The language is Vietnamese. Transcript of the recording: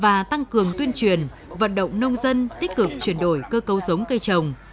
và tăng cường tuyên truyền vận động nông dân tích cực chuyển đổi cơ cấu giống cây trồng